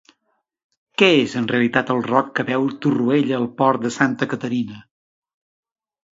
Què és en realitat el roc que veu Torroella al port de Santa Caterina?